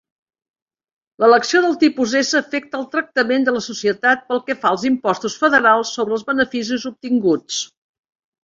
L'elecció del tipus S afecta el tractament de la societat pel que fa als impostos federals sobre els beneficis obtinguts.